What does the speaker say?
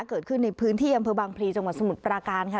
เกิดขึ้นในพื้นที่อำเภอบางพลีจังหวัดสมุทรปราการค่ะ